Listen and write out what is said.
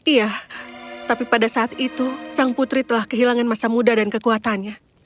iya tapi pada saat itu sang putri telah kehilangan masa muda dan kekuatannya